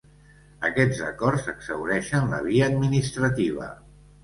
Aquests acords exhaureixen la via administrativa.